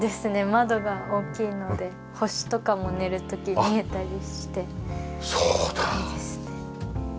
窓が大きいので星とかも寝る時見えたりしていいですね。